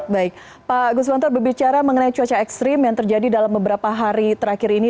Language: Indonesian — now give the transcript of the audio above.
baik pak guswanto berbicara mengenai cuaca ekstrim yang terjadi dalam beberapa hari terakhir ini